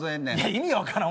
意味分からん